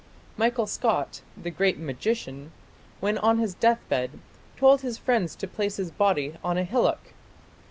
Michael Scott, the great magician, when on his deathbed told his friends to place his body on a hillock.